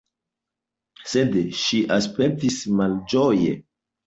Sed ŝi aspektis malĝoje.